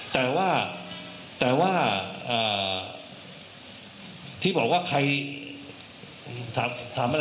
แต่ว่าแต่ว่าที่บอกว่าใครทำอะไร